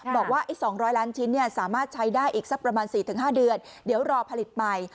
บอกว่า๒๐๐ล้านชิ้นสามารถใช้ได้อีกสักประมาณ๔๕เดือนเดี๋ยวรอผลิตใหม่